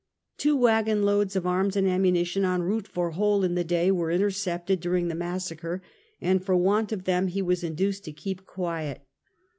Two wagon loads of arms and ammunition en route for Hole in the day, were intercepted during the massacre, and for want of them he was induced to keep quiet.